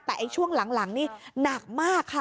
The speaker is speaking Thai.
แต่ช่วงหลังนี่หนักมากค่ะ